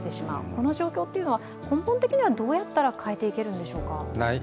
この状況というのは根本的には、どうやったら変えていけるんでしょうか？